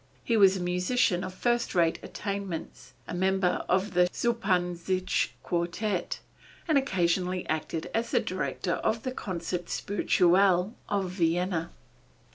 He was a musician of first rate attainments, a member of the Schuppanzich Quartet, and occasionally acted as director of the Concert Spirituel of Vienna.